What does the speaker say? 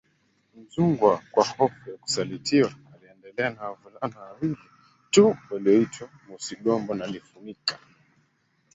Mzungwa kwa hofu ya kusalitiwaAliendelea na wavulana wawili tu walioitwa Musigombo na Lifumika